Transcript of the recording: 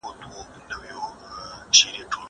خواړه ورکړه!